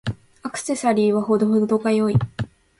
アクセサリーは程々が良い。